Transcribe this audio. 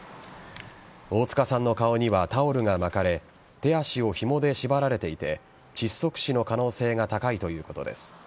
大塚さんの顔にはタオルが巻かれ手足をひもで縛られていて窒息死の可能性が高いということです。